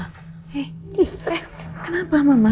hei kenapa mama